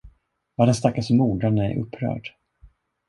Vad den stackars modern är upprörd!